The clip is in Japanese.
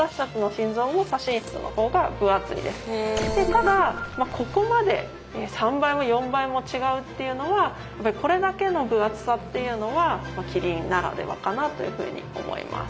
ただここまで３倍も４倍も違うっていうのはこれだけの分厚さっていうのはキリンならではかなというふうに思います。